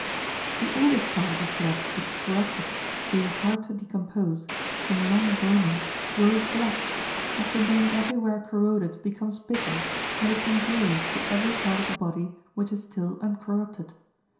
The oldest part of the flesh which is corrupted, being hard to decompose, from long burning grows black, and from being everywhere corroded becomes bitter, and is injurious to every part of the body which is still uncorrupted.